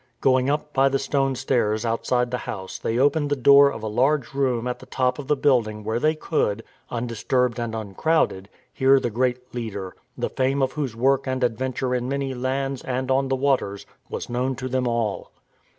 Going up by the stone stairs outside the house they opened the door of a large room at the top of the building where they could — undisturbed and uncrowded — hear the great leader, the fame of whose work and ad venture in many lands and on the waters was known to them all.